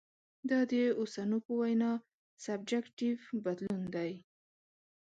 دا د اوسنو په وینا سبجکټیف بدلون دی.